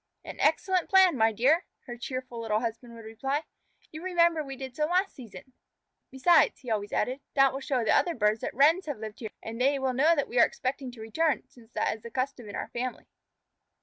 "An excellent plan, my dear," her cheerful little husband would reply. "You remember we did so last season. Besides," he always added, "that will show other birds that Wrens have lived here, and they will know that we are expecting to return, since that is the custom in our family."